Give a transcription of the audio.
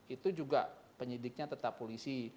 itu juga penyidiknya tetap polisi